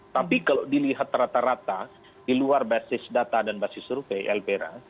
tapi kalau dilihat rata rata di luar basis data dan basis survei elpera